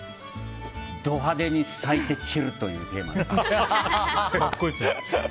ド派手に咲いて散るというテーマです。